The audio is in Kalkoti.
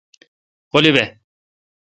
غلی بھ۔